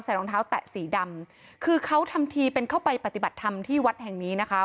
รองเท้าแตะสีดำคือเขาทำทีเป็นเข้าไปปฏิบัติธรรมที่วัดแห่งนี้นะคะ